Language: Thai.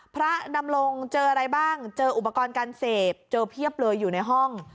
พระดำรงเจออะไรบ้างเจออุปกรณ์การเสพเจอเพียบเลยอยู่ในห้อง